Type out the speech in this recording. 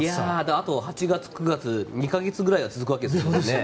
あと８月、９月２か月くらいは続くわけですもんね。